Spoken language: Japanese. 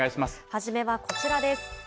はじめはこちらです。